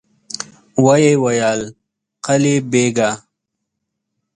ويې ويل: قلي بېګه!